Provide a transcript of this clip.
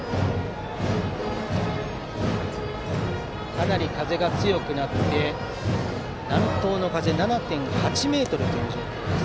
かなり風が強くなって南東の風７．８メートルという状況です。